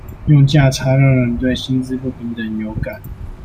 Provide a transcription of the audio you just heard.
用價差讓人對薪資不平等有感